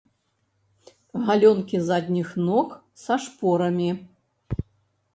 Галёнкі задніх ног са шпорамі.